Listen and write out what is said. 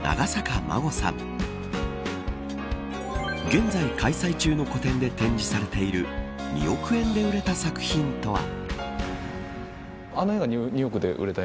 現在、開催中の個展で展示されている２億円で売れた作品とは。